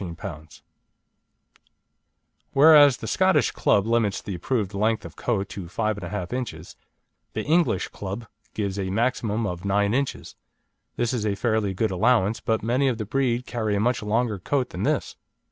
Whereas the Scottish Club limits the approved length of coat to 5 1/2 inches, the English Club gives a maximum of 9 inches. This is a fairly good allowance, but many of the breed carry a much longer coat than this.